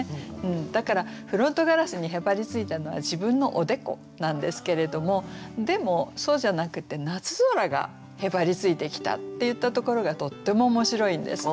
だからフロントガラスにへばりついたのは自分のおでこなんですけれどもでもそうじゃなくて夏空がへばりついてきたって言ったところがとっても面白いんです。